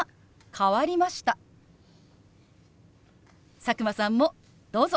佐久間さんもどうぞ！